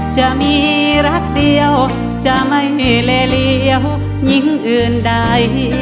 จะมีรักเดียวจะไม่เลเหลวหญิงอื่นใด